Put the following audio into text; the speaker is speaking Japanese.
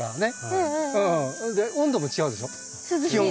それで温度も違うでしょ。